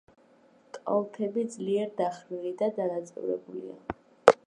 კალთები ძლიერ დახრილი და დანაწევრებულია.